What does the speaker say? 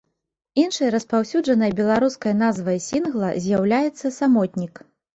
Іншай распаўсюджанай беларускай назвай сінгла з'яўляецца самотнік.